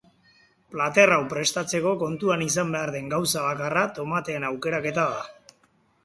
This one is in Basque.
Plater hau prestatzeko kontuan izan behar den gauza bakarra tomateen aukeraketa da.